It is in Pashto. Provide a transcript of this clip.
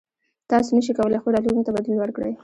تاسو نشئ کولی خپل راتلونکي ته بدلون ورکړئ.